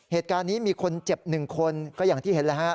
เหตุการณ์นี้มีคนเจ็บ๑คนก็อย่างที่เห็นแล้วฮะ